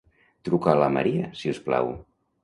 Truca a la Maria, si us plau.